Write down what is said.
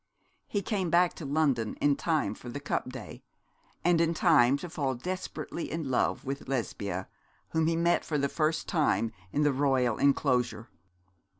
He came back to London in time for the Cup Day, and in time to fall desperately in love with Lesbia, whom he met for the first time in the Royal enclosure.